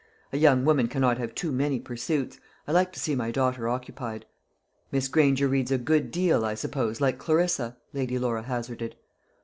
A young woman cannot have too many pursuits. I like to see my daughter occupied." "Miss Granger reads a good deal, I suppose, like Clarissa,' Lady Laura hazarded.